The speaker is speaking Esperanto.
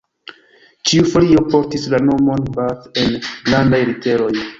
Ĉiu folio portis la nomon Bath en grandaj literoj.